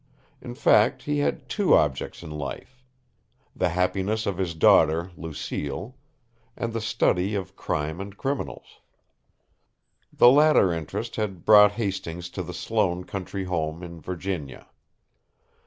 In fact, he had two objects in life: the happiness of his daughter, Lucille, and the study of crime and criminals. The latter interest had brought Hastings to the Sloane country home in Virginia.